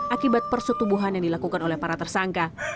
akibat persetubuhan yang dilakukan oleh para tersangka